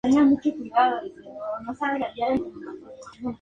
No tiene predilección por ningún sexo.